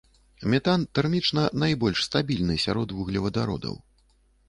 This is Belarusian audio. Метан тэрмічна найбольш стабільны сярод вуглевадародаў.